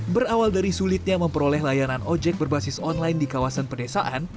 berawal dari sulitnya memperoleh layanan ojek berbasis online di kawasan pedesaan